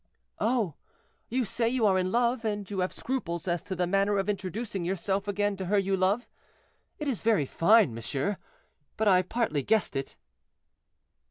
"Oh! you say you are in love, and you have scruples as to the manner of introducing yourself again to her you love. It is very fine, monsieur, but I partly guessed it."